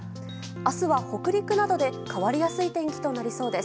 明日は北陸などで変わりやすい天気となりそうです。